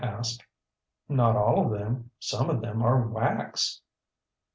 ŌĆ£ŌĆśNot all of them. Some of them are wax.